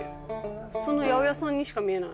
普通の八百屋さんにしか見えない。